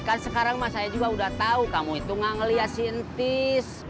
kan sekarang mas saya juga udah tau kamu itu gak ngeliat si entis